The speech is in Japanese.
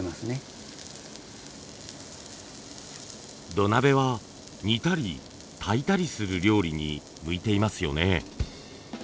土鍋は煮たり炊いたりする料理に向いていますよね。